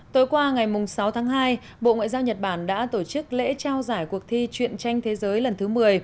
tối qua ngày sáu tháng hai bộ ngoại giao nhật bản đã tổ chức lễ trao giải cuộc thi chuyện tranh thế giới lần thứ một mươi